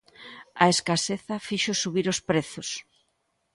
A escaseza fixo subir os prezos.